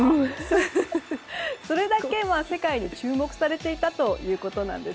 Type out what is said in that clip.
それだけ世界に注目されていたということです。